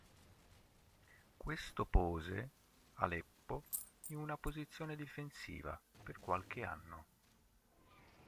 Questo pose Aleppo in una posizione difensiva per qualche anno.